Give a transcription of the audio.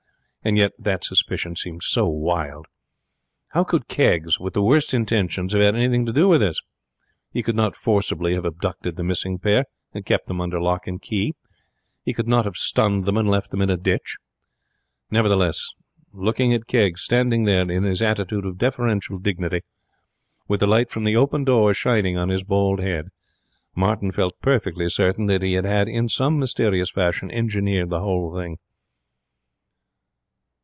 And yet that suspicion seemed so wild. How could Keggs, with the worst intentions, have had anything to do with this? He could not forcibly have abducted the missing pair and kept them under lock and key. He could not have stunned them and left them in a ditch. Nevertheless, looking at him standing there in his attitude of deferential dignity, with the light from the open door shining on his bald head, Martin felt perfectly certain that he had in some mysterious fashion engineered the whole thing.